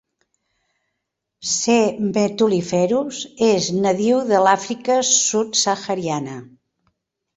"C. metuliferus" és nadiu de l"Àfrica Sub-Sahariana.